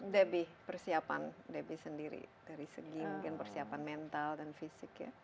debbie persiapan debbie sendiri dari segi mungkin persiapan mental dan fisik ya